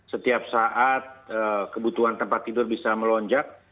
setiap saat kebutuhan tempat tidur bisa melonjak